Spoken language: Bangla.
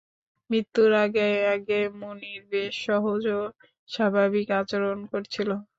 মৃত্যুর আগে-আগে মুনির বেশ সহজ ও স্বাভাবিক আচরণ করছিল।